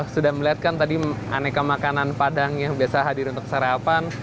sudah melihatkan tadi aneka makanan padang yang biasa hadir untuk sarapan